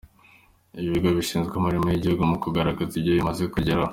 Ibigo bishinzwe imirimo yigihugu mu kugaragaza ibyo bamaze kugeraho